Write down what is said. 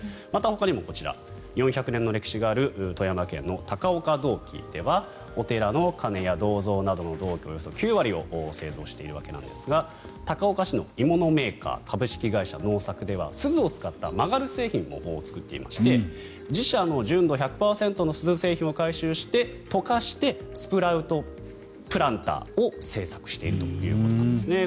また、ほかにもこちら４００年の歴史がある富山県の高岡銅器ではお寺の鐘や銅像などの銅器の９割を製造しているわけですが高岡市の鋳物メーカー株式会社、能作ではスズを使った曲がる製品も作っていまして自社の純度１００％のスズ製品を回収して溶かしてスプラウトプランターを製作しているということです。